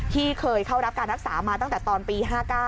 ที่เคยเข้ารับการรักษามาตั้งแต่ตอนปี๕๙